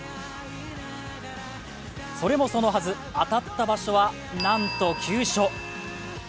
それもそのはず、当たった場所は、なんと急所。